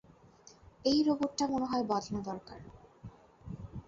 এই রোবটটা মনে হয় বদলানো দরকার।